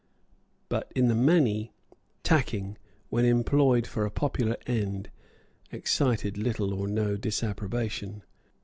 But, in the many, tacking, when employed for a popular end, excited little or no disapprobation.